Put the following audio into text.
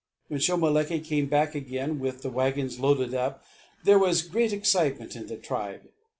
When Shomolekae came back again with the wagons loaded up there was great excitement in the tribe.